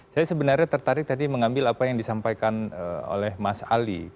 saya sebenarnya tertarik tadi mengambil apa yang disampaikan oleh mas ali